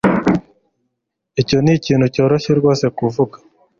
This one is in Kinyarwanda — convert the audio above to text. Icyo ni ikintu cyoroshye rwose kuvuga